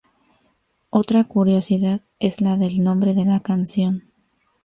Otra curiosidad es la del nombre de la canción.